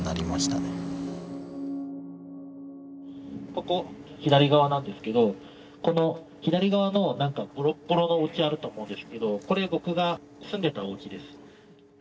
ここ左側なんですけどこの左側の何かボロッボロのおうちあると思うんですけどこれ僕が住んでたおうちです。